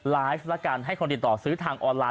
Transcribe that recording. ไลฟ์แล้วกันให้คนติดต่อซื้อทางออนไลน